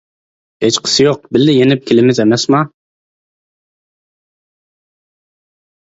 ھېچقىسى يوق بىللە يېنىپ كېلىمىز ئەمەسما.